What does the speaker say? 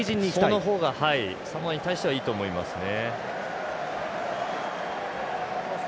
そのほうがサモアに対してはいいと思いますね。